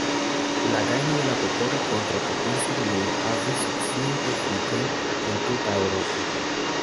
La gajno de la popolo kontraŭ potenca armeo havis sociajn efikojn en tuta Eŭropo.